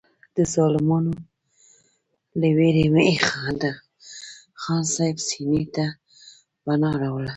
د ظالمانو له وېرې مې د خان صاحب سینې ته پناه راوړله.